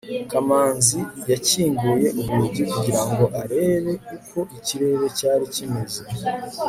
kamanzi yakinguye urugi kugirango arebe uko ikirere cyari kimeze